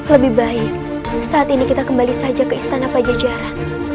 lebih baik saat ini kita kembali saja ke istana pajajaran